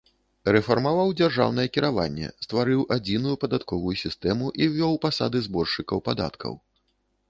Рэфармаваў дзяржаўнае кіраванне, стварыў адзіную падатковую сістэму і ўвёў пасады зборшчыкаў падаткаў.